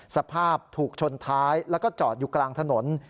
สภาพถูกชนท้ายแล้วก็จอดอยู่กลางถนน